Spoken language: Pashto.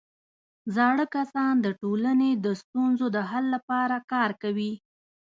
زاړه کسان د ټولنې د ستونزو د حل لپاره کار کوي